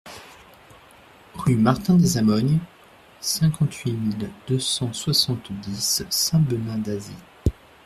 Rue Martin des Amognes, cinquante-huit mille deux cent soixante-dix Saint-Benin-d'Azy